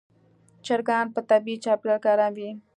چرګان په طبیعي چاپېریال کې آرام وي.